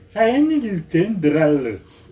saya ini jenderal